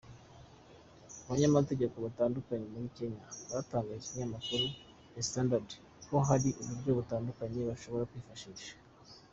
Abanyamategeko batandukanye muri Kenya batangarije ikinyamakuru The Standard ko hari uburyo butandukanye bushoboka kwifashishwa.